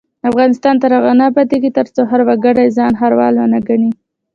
افغانستان تر هغو نه ابادیږي، ترڅو هر وګړی ځان ښاروال ونه ګڼي.